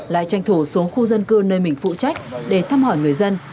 lại tranh thủ xuống khu dân cư nơi mình phụ trách để thăm hỏi người dân